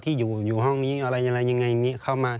ที่อยู่ห้องนี้อะไรยังไงอย่างนี้เข้ามา